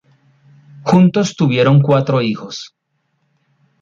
Juntos tuvieron cuatro hijos.